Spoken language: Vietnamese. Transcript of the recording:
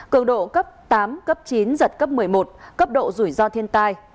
cường độ cấp tám cấp chín giật cấp một mươi một cấp độ rủi ro thiên tai